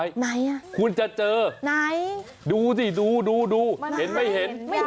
ไหนน่ะคุณจะเจอดูสิดูมันเห็นไม่เห็น